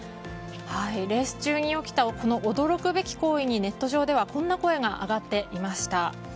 レース中に起きた驚くべき行為にネット上ではこんな声が上がっていました。